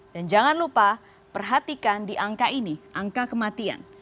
dan jangan lupa perhatikan di angka ini angka kematian